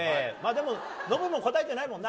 ノブも答えてないもんな。